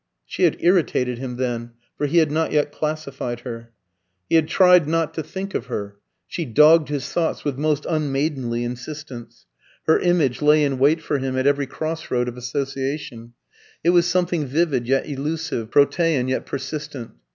She had irritated him then, for he had not yet classified her. He had tried not to think of her. She dogged his thoughts with most unmaidenly insistence; her image lay in wait for him at every cross road of association; it was something vivid yet elusive, protean yet persistent.